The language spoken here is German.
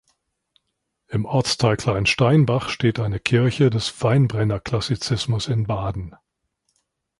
Im Ortsteil Kleinsteinbach steht eine Kirche des Weinbrenner-Klassizismus in Baden.